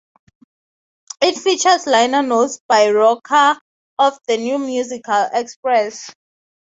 It features liner notes by Roy Carr of the New Musical Express.